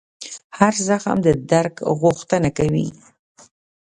هر زخم د درک غوښتنه کوي.